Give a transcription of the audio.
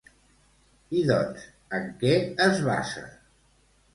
I doncs, en què es basa?